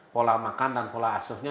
pola makan dan pola asuhnya